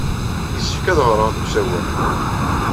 Yessefk ad ɣreɣ deg usawal.